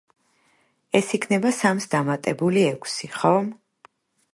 ეს იქნება სამს დამატებული ექვსი, ხომ?